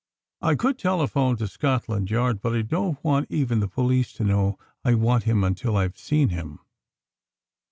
I could telephone to Scotland Yard, but I don't want even the police to know I want him until I've seen him.